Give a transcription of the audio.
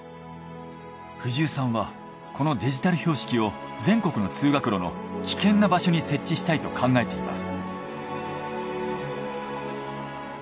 藤生さんはこのデジタル標識を全国の通学路の危険な場所に設置したいと考えています。